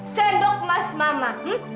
sendok mas mama